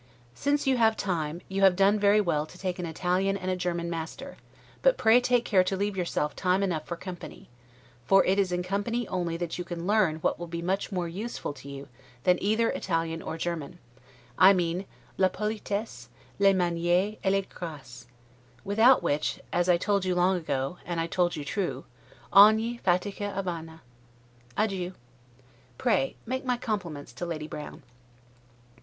Since you have time, you have done very well to take an Italian and a German master; but pray take care to leave yourelf time enough for company; for it is in company only that you can learn what will be much more useful to you than either Italian or German; I mean 'la politesse, les manieres et les graces, without which, as I told you long ago, and I told you true, 'ogni fatica a vana'. Adieu. Pray make my compliments to Lady Brown.